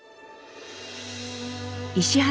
石原